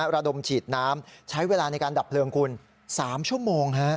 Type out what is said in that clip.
ระดมฉีดน้ำใช้เวลาในการดับเพลิงคุณ๓ชั่วโมง